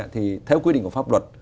thì theo quy định của pháp luật